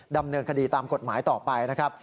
ดำเนินคดีตามกฎหมายต่อไปนะครับ